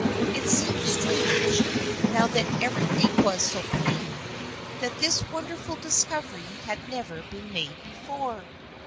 It seemed strange, now that everything was so plain, that this wonderful discovery had never been made before.